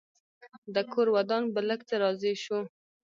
ده کور ودان په لږ څه راضي شو.